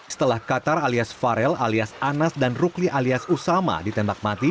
setelah qatar alias farel alias anas dan rukli alias usama ditembak mati